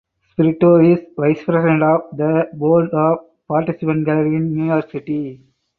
Spirito is Vice President of the Board of Participant Gallery in New York City.